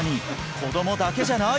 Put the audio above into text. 子供だけじゃない！